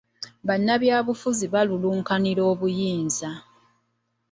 Bannabyabufuzi balulunkanira obuyinza.